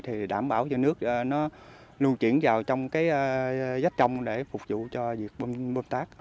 thì đảm bảo cho nước nó lưu chuyển vào trong cái rách trông để phục vụ cho việc bơm tác